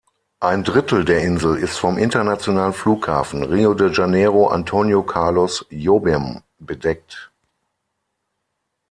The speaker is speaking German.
Ein Drittel der Insel ist vom Internationalen Flughafen Rio de Janeiro-Antônio Carlos Jobim bedeckt.